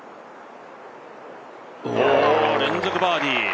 連続バーディー。